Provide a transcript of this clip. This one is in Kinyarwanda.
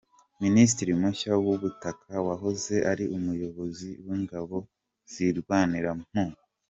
Minisitiri mushya w’ubutaka wahoze ari umuyobozi w’ingabo zirwanira mu.